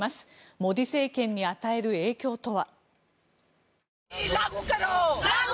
モディ政権に与える影響とは。